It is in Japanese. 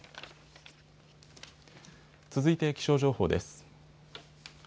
続いて気象情報です。